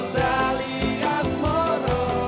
rapi ruang dia